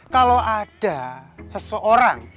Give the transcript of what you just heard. kalau ada seseorang